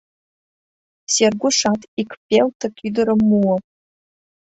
Сергушат ик пелтык ӱдырым муо.